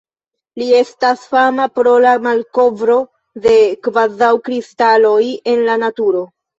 Li estas fama pro la malkovro de kvazaŭkristaloj en la naturo.